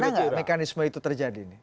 ada nggak mekanisme itu terjadi